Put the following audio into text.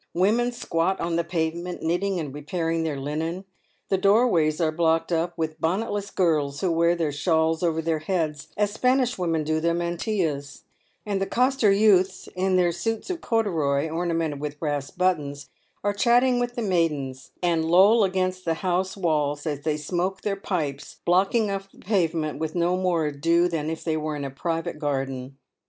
Women squat on the pavement, knitting and repairing their linen; the door ways are blocked up with bonnetless girls who wear their shawls over their heads, as Spanish women do their mantillas ; and the coster youths, in their suits of corduroy, ornamented with brass buttons, are chatting with the maidens, and loll against the house walls as they smoke their pipes, blocking up the pavement with no more ado than if they were in a private garden.